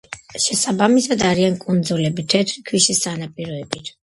შესაბამისად არიან კუნძულები თეთრი ქვიშის სანაპიროებით.